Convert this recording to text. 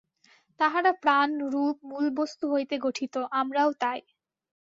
তাহারা প্রাণ-রূপ মূলবস্তু হইতে গঠিত, আমরাও তাই।